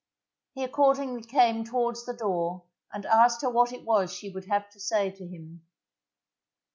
He accordingly came towards the door and asked her what it was she would have to say to him.